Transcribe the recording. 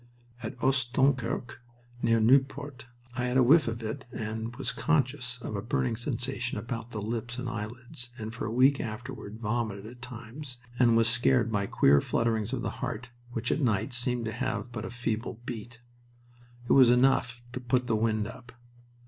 At Oast Dunkerque, near Nieuport, I had a whiff of it, and was conscious of a burning sensation about the lips and eyelids, and for a week afterward vomited at times, and was scared by queer flutterings of the heart which at night seemed to have but a feeble beat. It was enough to "put the wind up."